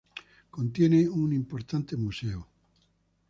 Contiene un importante museo.